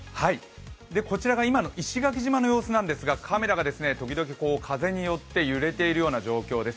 こちらが今の石垣島の様子なんですが、カメラが時々風によって揺れているような状況です。